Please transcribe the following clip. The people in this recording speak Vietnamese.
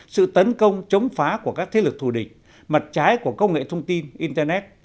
sự tấn công chống phá của các thế lực thù địch mặt trái của công nghệ thông tin internet